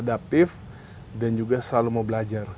adaptif dan juga selalu mau belajar